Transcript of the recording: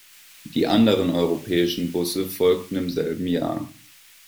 Die anderen europäischen Busse folgten im selben Jahr.